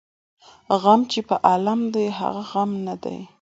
ـ غم چې په عالم دى هغه غم نه دى.